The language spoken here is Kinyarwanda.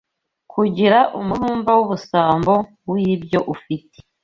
kugira umururumba w’ubusambo wibyo ufite